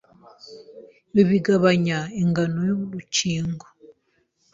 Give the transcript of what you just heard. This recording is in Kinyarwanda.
Ibi bigabanya ingano y'urukingo